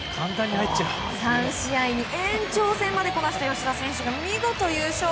３試合に延長戦までこなした吉田選手が見事優勝。